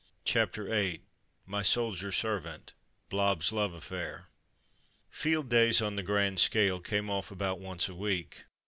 CHAPTER VIII MY SOLDIER SERVANT — BLOBBS^S LOVE AFFAIR Field days on the grand scale came off about once a week.